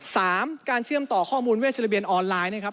สามการเชื่อมต่อข้อมูลเวชระเบียนออนไลน์นะครับ